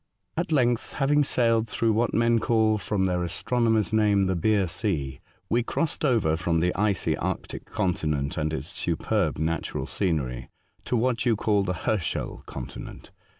At length (having sailed through what men €all, from their astronomer's name, the Beer Sea) we crossed over from the icy Arctic con tinent, and its superb natural scenery, to what you call the Herschel continent.